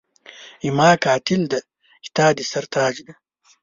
زما قاتل دی ستا د سر تاج دی